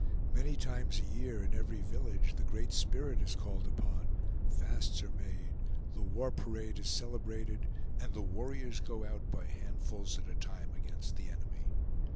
Many times a year, in every village, the Great Spirit is called upon, fasts are made, the war parade is celebrated, and the warriors go out by handfuls at a time against the enemy.